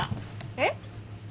えっ？